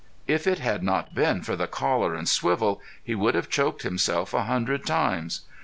If it had not been for the collar and swivel he would have choked himself a hundred times.